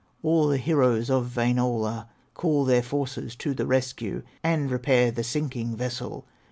All the heroes of Wainola Call their forces to the rescue, And repair the sinking vessel.